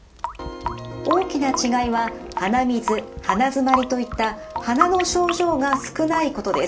大きな違いは鼻水鼻づまりといった鼻の症状が少ないことです。